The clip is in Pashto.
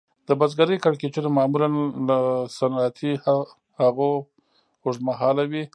د بزګرۍ کړکېچونه معمولاً له صنعتي هغو اوږد مهاله وي